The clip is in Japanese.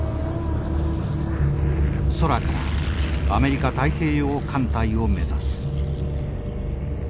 空からアメリカ太平洋艦隊を目指す。